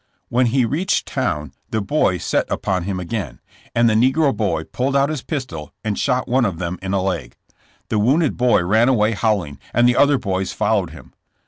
When he reached town the boys set upon him again, and the negro boy pulled out his pistol and shot one of them in a leg. The wounded boy ran away howling, and the other boys followed him.